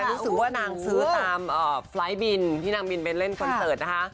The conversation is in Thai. รู้สึกว่านางซื้อตามไฟล์บินที่นางบินไปเล่นคอนเสิร์ตนะคะ